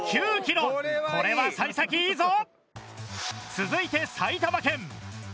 続いて埼玉県。